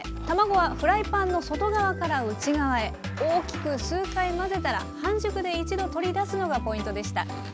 卵はフライパンの外側から内側へ大きく数回混ぜたら半熟で一度取り出すのがポイントでした。